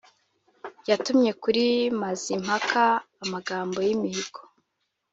yatumye kuri Mazimpaka amagambo y’imihigo